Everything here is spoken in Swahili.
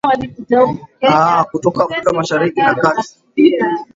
aa kutoka afrika mashariki na kati